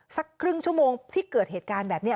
สักครึ่งชั่วโมงที่เกิดเหตุการณ์แบบนี้